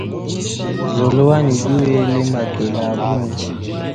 Nzolo wanyi udi wela makele abunyi.